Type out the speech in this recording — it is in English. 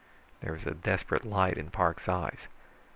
There was a desperate light in Parks' eyes.